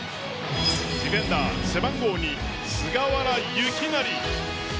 ディフェンダー背番号２、菅原由勢。